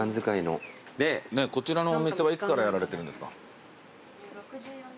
こちらのお店はいつからやられてるんですか？